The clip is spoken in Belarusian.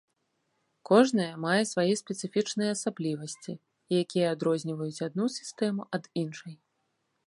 Кожнае мае свае спецыфічныя асаблівасці, якія адрозніваюць адну сістэму ад іншай.